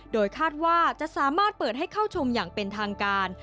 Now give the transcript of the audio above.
โดยคาดว่าจะสามารถเปิดให้เข้าชมอย่างเป็นทางการ